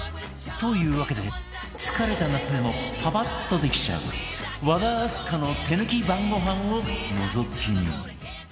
というわけで疲れた夏でもパパッとできちゃう和田明日香の手抜き晩ごはんをのぞき見